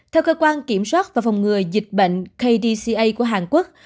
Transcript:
theo cơ quan kiểm soát và phòng ngừa dịch bệnh kdca của hàn quốc